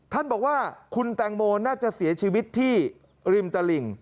ท่านบอกว่าคุณแตงโมน่าจะเสียชีวิตที่ริมตลิ่ง